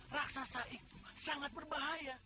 raksasa itu sangat berbahaya